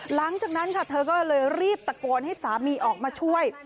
หลังจากนั้นค่ะเธอก็เลยรีบตะโกนให้สามีออกมาช่วย